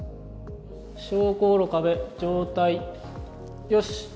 昇降路、壁、状態よし。